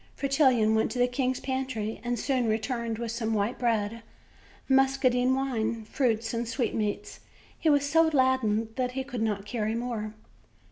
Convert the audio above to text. Fretillon went to the king's pantry, and soon returned with some white bread, muscadine wine, fruits and sweetmeats. He was so laden that he could not carry more.